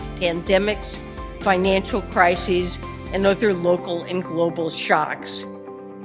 di hadapan pandemi krisis keuangan dan kebocoran lokal dan global lainnya